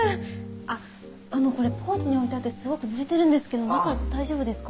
あっあのこれポーチに置いてあってすごく濡れてるんですけど中大丈夫ですか？